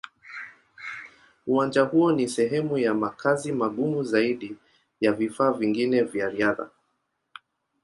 Uwanja huo ni sehemu ya makazi magumu zaidi ya vifaa vingine vya riadha.